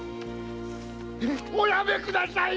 〔おやめください！